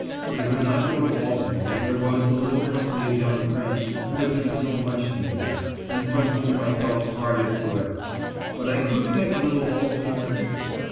I could not go to Baltimore, where was the little company of young xriends who had been so much to me there, and from whom I felt parted forever, but I could make a little Bal timore here.